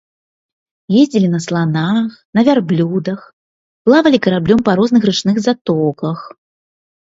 Ездзілі на сланах, на вярблюдах, плавалі караблём па розных рачных затоках.